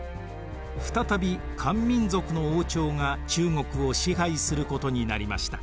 再び漢民族の王朝が中国を支配することになりました。